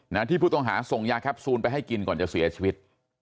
ที่ผู้ต้องหาส่งยาแคปซูลไปให้กินก่อนจะเสียชีวิต